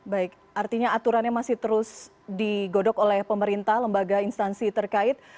baik artinya aturannya masih terus digodok oleh pemerintah lembaga instansi terkait